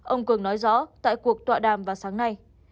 ông cường nói rõ tại cuộc tọa đàm vào sáng nay